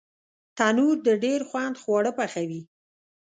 تنور د ډېر خوند خواړه پخوي